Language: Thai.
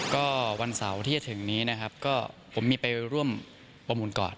ก็วันเสาร์ที่จะถึงนี้นะครับก็ผมมีไปร่วมประมูลก่อน